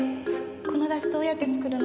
この出汁どうやって作るの？